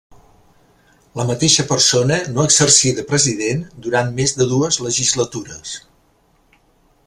La mateixa persona no exercir de president durant més de dues legislatures.